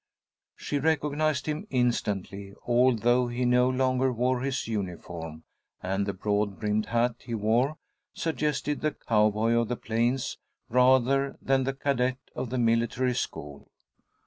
She recognized him instantly, although he no longer wore his uniform, and the broad brimmed hat he wore suggested the cowboy of the plains rather than the cadet of the military school.